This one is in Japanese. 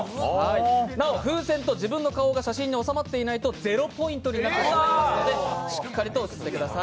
なお風船と自分の顔が写真に収まっていないと０ポイントになってしまいますのでしっかり収まってください。